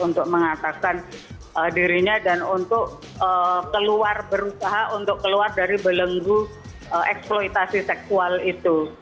untuk mengatakan dirinya dan untuk keluar berusaha untuk keluar dari belenggu eksploitasi seksual itu